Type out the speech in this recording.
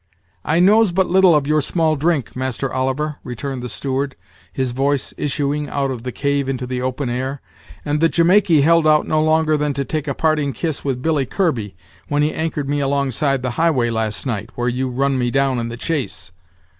"I knows but little of your small drink, Master Oliver," returned the steward, his voice issuing out of the cave into the open air, "and the Jamaikey held out no longer than to take a parting kiss with Billy Kirby, when he anchored me alongside the highway last night, where you run me down in the chase.